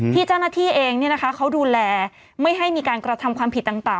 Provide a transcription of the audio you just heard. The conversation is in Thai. ที่เจ้าหน้าที่เองเขาดูแลไม่ให้มีการกระทำความผิดต่าง